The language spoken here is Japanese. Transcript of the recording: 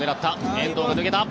遠藤が抜けた。